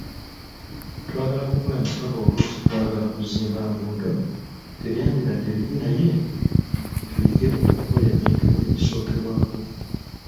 Twagala kukola mikago oluusi twagala kuzimba nguudo, tebyandibadde bibi naye tuyige okukola ebintu ebisookerwako.